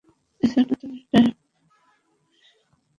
এজন্য তুমি prime time slot পেয়েছো।